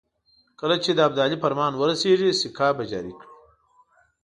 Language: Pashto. کله چې د ابدالي فرمان ورسېږي سکه به جاري کړي.